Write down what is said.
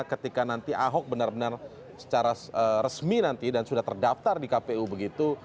ketika nanti ahok benar benar secara resmi nanti dan sudah terdaftar di kpu begitu